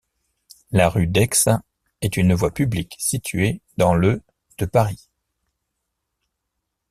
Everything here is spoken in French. La rue d'Aix est une voie publique située dans le de Paris.